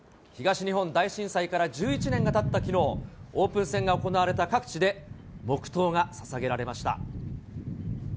東日本大震災から１１年がたったきのう、オープン戦が行われた各地で、黙とうがささげられました。